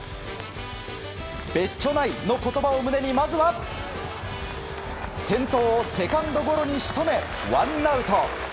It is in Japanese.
べっちょないの言葉を胸にまずは先頭をセカンドゴロに仕留めワンアウト。